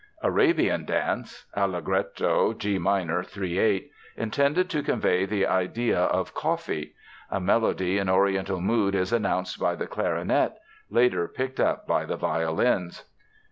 Arabian Dance (Allegretto, G minor, 3 8). Intended to convey the idea of "Coffee." A melody in Oriental mood is announced by the clarinet, later picked up by the violins.